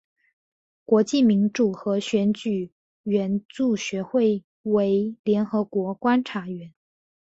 国际民主和选举援助学会为联合国观察员。